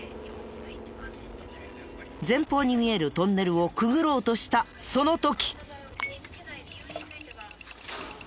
前方に見えるトンネルをくぐろうとしたその時。